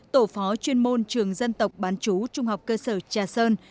tổ phó chuyên môn trường dân tộc bán chú trung học cơ sở trà sơn